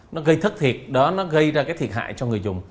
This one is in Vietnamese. nó gây thất thiệt nó gây ra thiệt hại cho người dùng